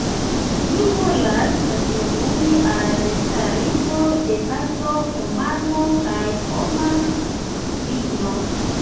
Ni volas kontribui al restarigo de paco, homamo kaj homa digno.